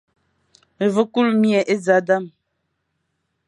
Ma vi kule mie e zal dam,